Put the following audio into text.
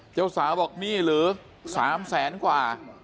เจ้าสาวบอกหนี้หรือ๓แสนกว่า